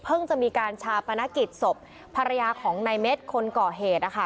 จะมีการชาปนกิจศพภรรยาของนายเม็ดคนก่อเหตุนะคะ